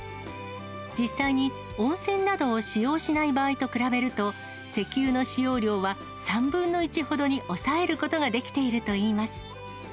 実際に温泉などを使用しない場合と比べると、石油の使用量は３分の１ほどに抑えることができているといいます。